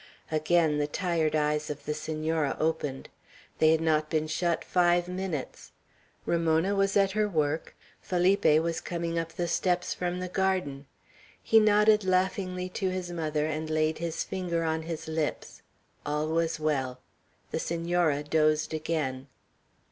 Again the tired eyes of the Senora opened. They had not been shut five minutes; Ramona was at her work; Felipe was coming up the steps from the garden. He nodded laughingly to his mother, and laid his finger on his lips. All was well. The Senora dozed again.